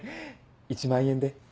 １万円で。